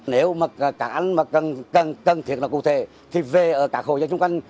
nếu mà cả anh mà cần thiệt là cụ thể thì về ở cả khổ dân xung quanh